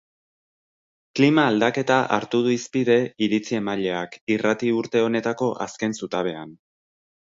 Klima aldaketa hartu du hizpide iritzi-emaileak irrati urte honetako azken zutabean.